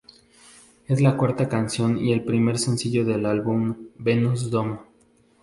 Es la cuarta canción y el primer sencillo del álbum Venus Doom.